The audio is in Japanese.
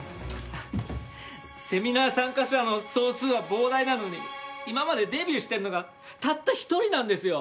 セミナー参加者の総数は膨大なのに今までデビューしてるのがたった一人なんですよ。